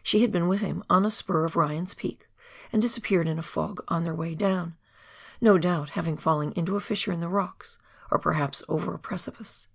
She had been with him on a spur of Ryan's peak, and disappeared in a fog on their way down, no doubt having fallen into a fissure in the rocks, or perhaps over a precipice.